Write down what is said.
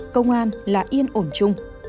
công an là yên ổn chung